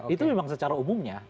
itu memang secara umumnya